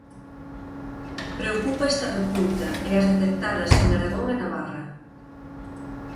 Preocupa esta repunta e as detectadas en Aragón e Navarra.